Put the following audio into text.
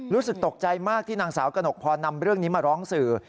รู้สึกตกใจมากที่นางสาวกระหนกพรนำเรื่องนี้มาร้องสื่อ